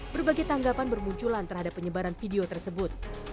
berbagai tanggapan bermunculan terhadap penyebaran video tersebut